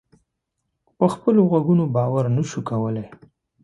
په خپلو غوږونو باور نه شو کولای.